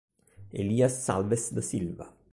Elias Alves da Silva